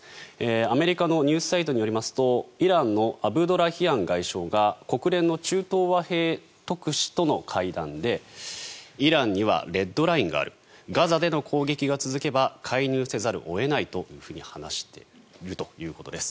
アメリカのニュースサイトによりますとイランのアブドラヒアン外相が国連の中東和平特使との会談でイランにはレッドラインがあるガザでの攻撃が続けば介入せざるを得ないと話しているということです。